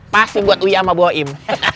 pasti buat uyama bawaim